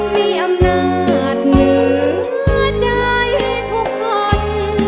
มีอำนาจเหนือใจทุกคน